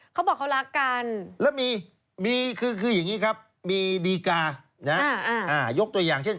เขาบอกเขารักกันแล้วมีคืออย่างนี้ครับมีดีการะยกตัวอย่างเช่น